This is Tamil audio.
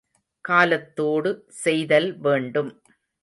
காலத் தோடு செய்தல்வேண்டும்.